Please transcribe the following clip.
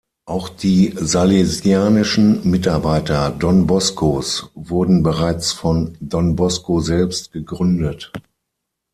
Auch die Salesianischen Mitarbeiter Don Boscos wurden bereits von Don Bosco selbst gegründet.